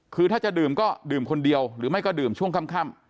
คือถ้าจะดื่มก็ดื่มคนเดียวหรือไม่ก็ดื่มช่วงค่ำ